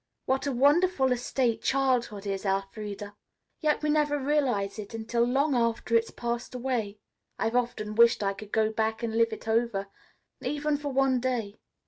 What a wonderful estate childhood is, Elfreda. Yet we never realize it until long after it has passed away. I've often wished I could go back and live it over, even for one day."